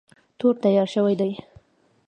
تور تیار شوی دی.